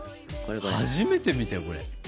初めて見たよこれ。